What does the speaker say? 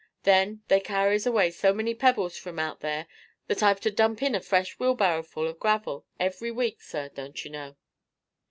Then they carries away so many pebbles from out there that I've to dump in a fresh weelbarrel full o' gravel every week, sir, don't you know."